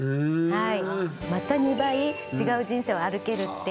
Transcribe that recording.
はい。